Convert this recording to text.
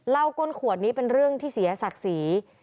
ก้นขวดนี้เป็นเรื่องที่เสียศักดิ์ศรี